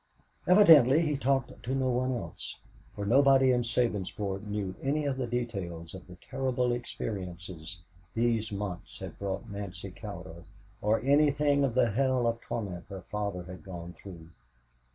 Evidently he talked to no one else, for nobody in Sabinsport knew any of the details of the terrible experiences these months had brought Nancy Cowder or anything of the hell of torment her father had gone through.